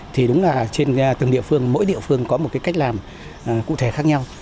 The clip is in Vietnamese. thì đúng là trên từng địa phương mỗi địa phương có một cái cách làm cụ thể khác nhau